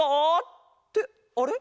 ってあれ？